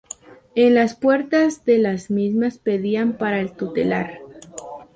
En las puertas de las mismas pedían para el tutelar.